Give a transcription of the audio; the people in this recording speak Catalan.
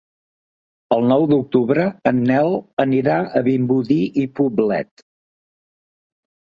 El nou d'octubre en Nel anirà a Vimbodí i Poblet.